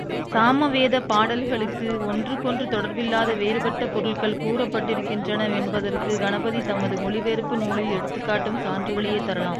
சாமவேதப் பாடல்களுக்கு ஒன்றுக்கொன்று தொடர்பில்லாத வேறுபட்ட பொருள்கள் கூறப்பட்டிருக்கின்றனவென்பதற்குக் கணபதி தமது மொழிபெயர்ப்பு நூலில் எடுத்துக்காட்டும் சான்றுகளையே தரலாம்.